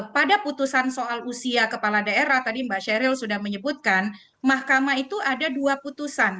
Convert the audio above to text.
pada putusan soal usia kepala daerah tadi mbak sheryl sudah menyebutkan mahkamah itu ada dua putusan